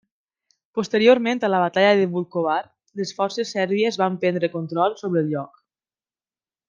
Posteriorment a la Batalla de Vukovar, les forces sèrbies van prendre control sobre el lloc.